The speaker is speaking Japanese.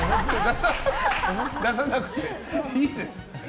出さなくていいです。